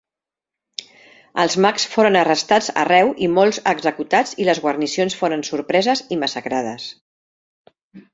Els mags foren arrestats arreu i molts executats i les guarnicions foren sorpreses i massacrades.